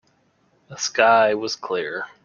The sky was clear.